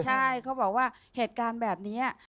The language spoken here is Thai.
ใช่เขาบอกว่าเหตุการณ์แบบนี้